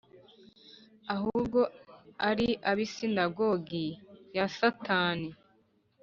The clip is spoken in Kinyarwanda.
ahubwo ari ab’isinagogi ya Satani.